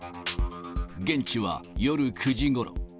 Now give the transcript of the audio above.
現地は夜９時ごろ。